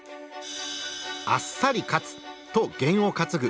「あっさり勝つ」とゲンを担ぐ。